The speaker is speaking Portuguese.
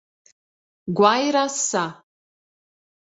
Guairaçá